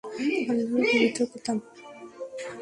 আল্লাহর পবিত্র কিতাব।